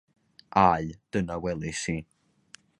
Aye dyna welis i.